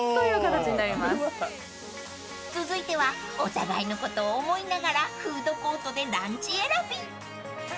［続いてはお互いのことを思いながらフードコートでランチ選び］